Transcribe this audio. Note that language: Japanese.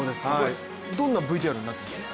どんなＶＴＲになってるんですか？